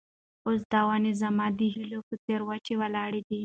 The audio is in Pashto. اوس دا ونه زما د هیلو په څېر وچه ولاړه ده.